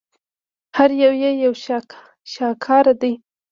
هر یو یې یو شاهکار دی.